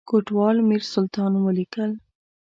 کوټوال میرسلطان ولیکل.